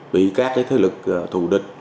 bị các thế lực thù địch